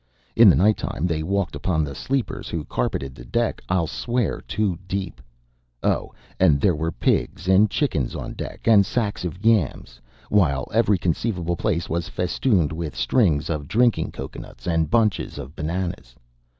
In the night time they walked upon the sleepers, who carpeted the deck, I'll swear, two deep. Oh! And there were pigs and chickens on deck, and sacks of yams, while every conceivable place was festooned with strings of drinking cocoanuts and bunches of bananas.